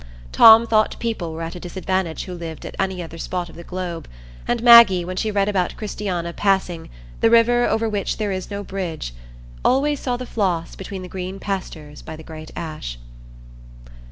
Tom thought people were at a disadvantage who lived on any other spot of the globe; and Maggie, when she read about Christiana passing "the river over which there is no bridge," always saw the Floss between the green pastures by the Great Ash.